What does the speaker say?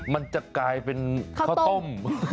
มันจะกลายเป็นข้าวต้ม